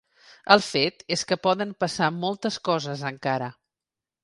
El fet és que poden passar moltes coses encara.